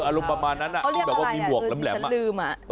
อารมณ์ประมาณนั้นเขาเรียกอะไรนะ